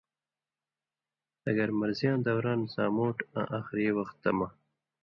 اگر مرضیاں دوران سامُوٹھ آں آخری وختہ مہ